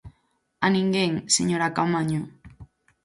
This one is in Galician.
¡A ninguén, señora Caamaño!